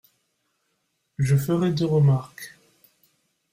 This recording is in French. Je ferai deux remarques.